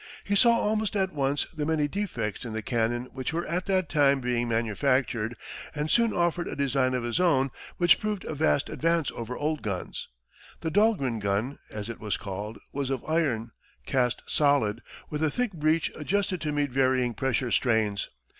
He saw almost at once the many defects in the cannon which were at that time being manufactured, and soon offered a design of his own, which proved a vast advance over old guns. The Dahlgren gun, as it was called, was of iron, cast solid, with a thick breech adjusted to meet varying pressure strains.